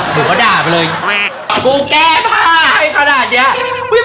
กูแก่ภาพ